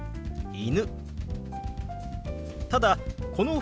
「犬」。